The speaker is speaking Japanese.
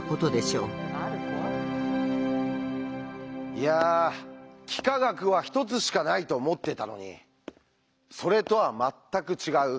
いや幾何学は１つしかないと思ってたのにそれとは全く違う